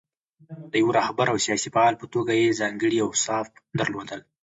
د یوه رهبر او سیاسي فعال په توګه یې ځانګړي اوصاف درلودل.